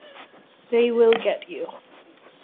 They will get you.